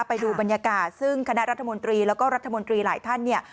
ไปดูบรรยากาศซึ่งคณะรัฐมนตรีแล้วก็รัฐมนตรีหลายท่านเนี่ย